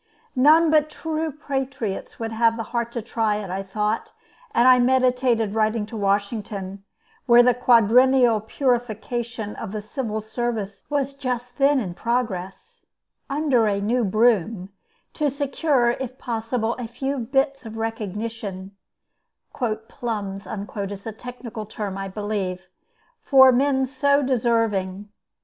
None but true patriots would have the heart to try it, I thought, and I meditated writing to Washington, where the quadrennial purification of the civil service was just then in progress, under a new broom, to secure, if possible, a few bits of recognition ("plums" is the technical term, I believe) for men so deserving.